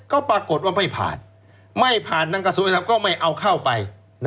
ก็ปรากฏว่าไม่ผ่านไม่ผ่านทางกระทรวงธรรมก็ไม่เอาเข้าไป